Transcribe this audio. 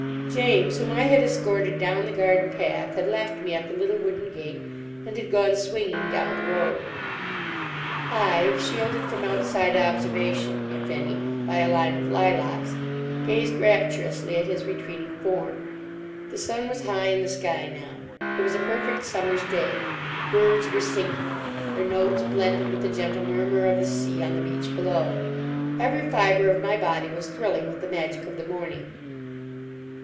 James, whom I had escorted down the garden path, had left me at the little wooden gate and had gone swinging down the road. I, shielded from outside observation (if any) by a line of lilacs, gazed rapturously at his retreating form. The sun was high in the sky now. It was a perfect summer's day. Birds were singing. Their notes blended with the gentle murmur of the sea on the beach below. Every fibre of my body was thrilling with the magic of the morning.